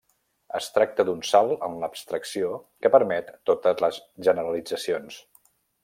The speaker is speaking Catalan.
Es tracta d'un salt en l'abstracció que permet totes les generalitzacions.